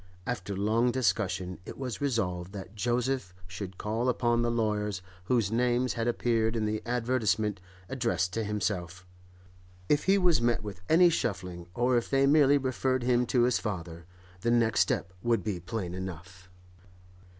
After long discussion, it was resolved that Joseph should call upon the lawyers whose names had appeared in the advertisement addressed to himself. If he was met with any shuffling, or if they merely referred him to his father, the next step would be plain enough.